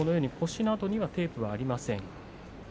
腰などにはテープがありません。